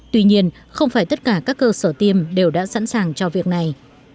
tuy nhiên không phải tất cả các cơ sở tiêm đều đã sẵn sàng cho việc này